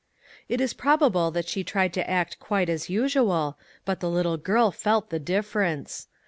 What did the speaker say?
It is probable that she tried to act quite as usual, but the little girl felt the difference.